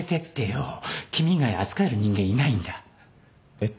えっ？